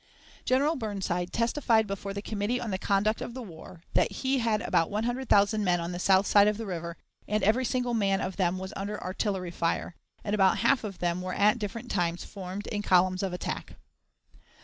General Burnside testified before the Committee on the Conduct of the War that he "had about 100,000 men on the south side of the river, and every single man of them was under artillery fire, and about half of them were at different times formed in columns of attack."